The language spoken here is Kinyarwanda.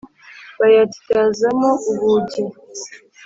bayatyazamo ubugi